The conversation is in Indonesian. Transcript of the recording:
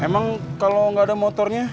emang kalau nggak ada motornya